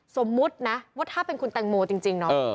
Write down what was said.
สมมุตินะว่าถ้าเป็นคุณแตงโมจริงเนาะ